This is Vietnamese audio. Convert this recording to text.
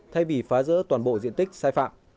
thay vì phá rỡ toàn bộ diện tích sai phạm